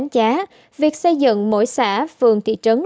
trả việc xây dựng mỗi xã phường thị trấn